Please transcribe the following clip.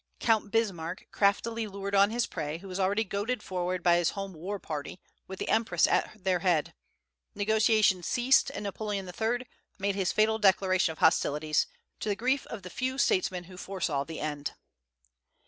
Count Bismarck craftily lured on his prey, who was already goaded forward by his home war party, with the empress at their head; negotiations ceased, and Napoleon III. made his fatal declaration of hostilities, to the grief of the few statesmen who foresaw the end.